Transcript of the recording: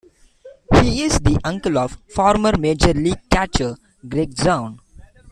He is the uncle of former major league catcher Gregg Zaun.